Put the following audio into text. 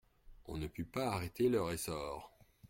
On ne put pas arrêter leur essor.